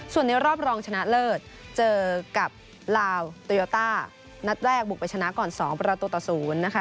ส่วนในรอบรองชนะเลิศเจอกับลาวโตโยต้านัดแรกบุกไปชนะก่อน๒ประตูต่อ๐นะคะ